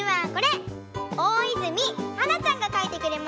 はい。